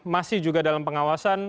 masih juga dalam pengawasan